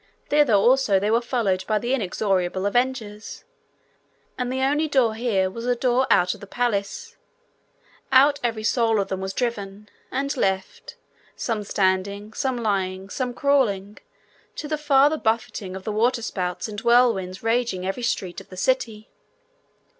Thither also were they followed by the inexorable avengers, and the only door here was a door out of the palace: out every soul of them was driven, and left, some standing, some lying, some crawling, to the farther buffeting of the waterspouts and whirlwinds ranging every street of the city.